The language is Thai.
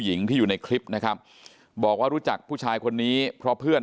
หญิงที่อยู่ในคลิปนะครับบอกว่ารู้จักผู้ชายคนนี้เพราะเพื่อน